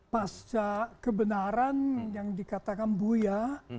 pasca kebenaran yang dikatakan buya